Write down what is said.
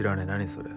それ。